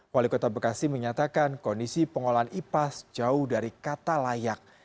wali kota bekasi menyatakan kondisi pengolahan ipas jauh dari kata layak